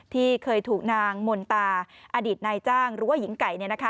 ที่เคยถูกนางมนตาอดีตนายจ้างหรือว่าหญิงไก่